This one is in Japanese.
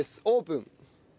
オープン。